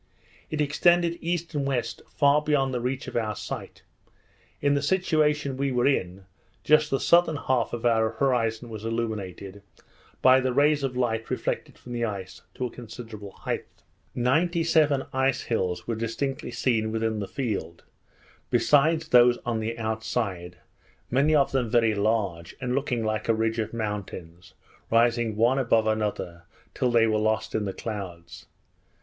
It extended east and west, far beyond the reach of our sight. In the situation we were in, just the southern half of our horizon was illuminated, by the rays of light reflected from the ice, to a considerable height. Ninety seven ice hills were distinctly seen within the field, besides those on the outside; many of them very large, and looking like a ridge of mountains, rising one above another till they were lost in the clouds.